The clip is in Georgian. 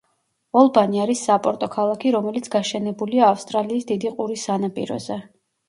ოლბანი არის საპორტო ქალაქი, რომელიც გაშენებულია ავსტრალიის დიდი ყურის სანაპიროზე.